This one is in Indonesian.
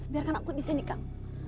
biarkan aku di sini kang